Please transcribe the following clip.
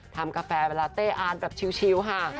ทำกาแฟลาเต้อานแบบชิลค่ะ